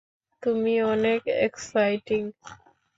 তুমি অনেক এক্সাইটিং!